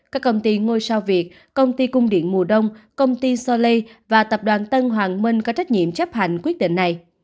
các công ty ngôi sao việt công ty cung điện mùa đông công ty solei và tập đoàn tân hoàng minh có trách nhiệm chấp hành quyết định này